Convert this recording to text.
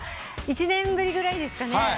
１年ぶりぐらいですかね。